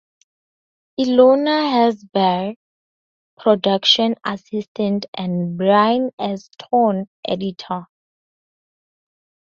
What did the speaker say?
Ilona Herzberg, Production Assistant and Brian Elston, Editor.